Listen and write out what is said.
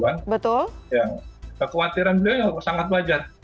yang kekhawatiran beliau sangat wajar